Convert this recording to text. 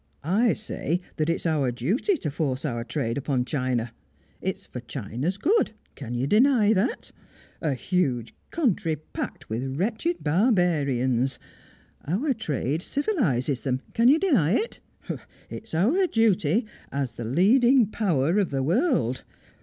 "I say that it's our duty to force our trade upon China. It's for China's good can you deny that? A huge country packed with wretched barbarians! Our trade civilises them can you deny it? It's our duty, as the leading Power of the world!